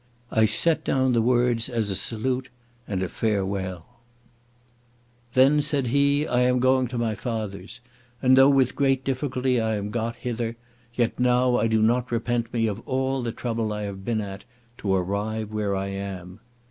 I set down the words as a salute and a farewell: _"Then said he, 'I am going to my Father's; and though with great difficulty I am got hither, yet now I do not repent me of all the trouble I have been at to arrive where I am.